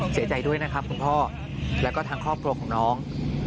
เสียใจด้วยนะครับคุณพ่อแล้วก็ทางครอบครัวของน้อง